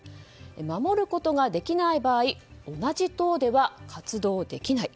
守ることができない場合同じ党では活動できない